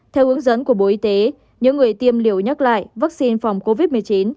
theo hướng dẫn của bộ y tế những người tiêm liều nhắc lại vaccine phòng covid một mươi chín